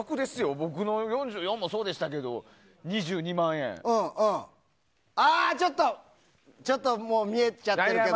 僕の４４もそうでしたけどちょっと見えちゃってるけど。